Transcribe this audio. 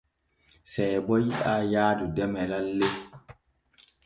Seebo yiɗaa yaadu deme lalle.